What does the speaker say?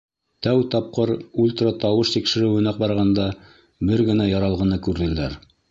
— Тәү тапҡыр ультратауыш тикшереүенә барғанда, бер генә яралғыны күрҙеләр.